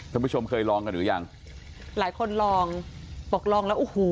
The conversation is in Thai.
ท่านผู้ชมเคยลองกันหรือยังหลายคนลองบอกลองแล้วโอ้โห